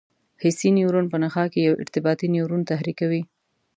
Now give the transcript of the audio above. حسي نیورون په نخاع کې یو ارتباطي نیورون تحریکوي.